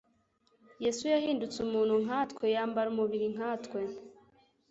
Yesu yahindutse umuntu nka twe, yambara umubiri nka twe,